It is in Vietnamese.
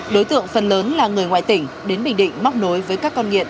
đối tượng phần lớn là người ngoại tỉnh đến bình định móc nối với các con nghiện